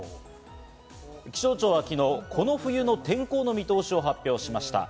気象庁は昨日、この冬の天候の見通しを発表しました。